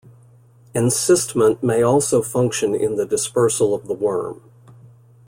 Encystment may also function in the dispersal of the worm.